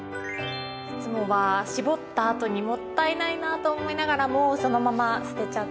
いつもは搾った後にもったいないなと思いながらもそのまま捨てちゃっています。